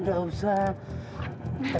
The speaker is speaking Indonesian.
gak usah gak usah